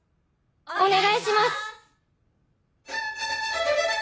お願いします！